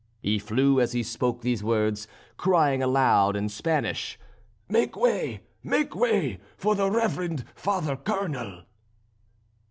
He flew as he spoke these words, crying out aloud in Spanish: "Make way, make way, for the reverend Father Colonel."